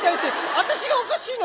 私がおかしいの？